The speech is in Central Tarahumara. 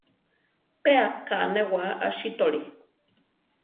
Pe aká newáa asítoli.